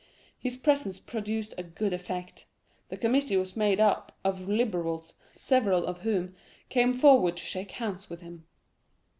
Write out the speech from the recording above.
His presence produced a good effect. The committee was made up of Liberals, several of whom came forward to shake hands with him."